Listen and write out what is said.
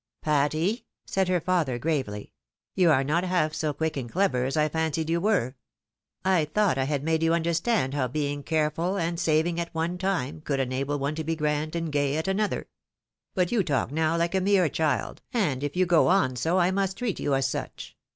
"Patty!" said her father, gravely, "you are not half so quick and clever as I fancied you were. I thought I had made you understand how being careful and saving at one time, could enable one to be grand and gay at another. 206 THE WIDOW MARRIED. But you talk now like a mere cliild, and if you go on so I must treat you as such.